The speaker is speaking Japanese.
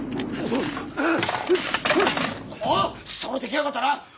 そろって来やがったな！